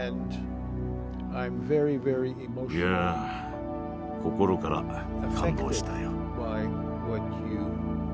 いやぁ心から感動したよ。